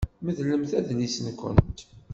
Medlemt adlis-nkent.